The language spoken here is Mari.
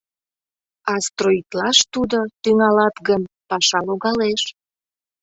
А строитлаш тудо, тӱҥалат гын, паша логалеш.